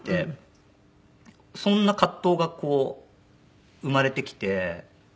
そんな葛藤がこう生まれてきて。